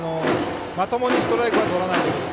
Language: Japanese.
まともにストライクはとらないことです。